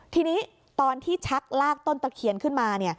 ทีนี้ตอนที่ชักลากต้นตะเคียนขึ้นมา